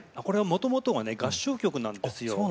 これはもともとはね合唱曲なんですよ。